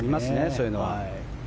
そういうのは。